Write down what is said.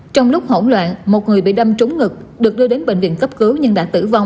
trong lúc hỗn loạn một người bị đâm trúng ngực được đưa đến bệnh viện cấp cứu nhưng đã tử vong